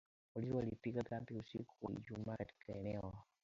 Polisi walipiga kambi usiku wa Ijumaa katika eneo